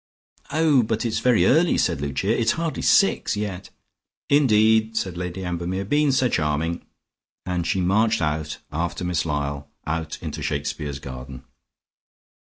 "Oh, but it's very early," said Lucia. "It's hardly six yet." "Indeed!" said Lady Ambermere. "Been so charming," and she marched out after Miss Lyall out into Shakespeare's garden.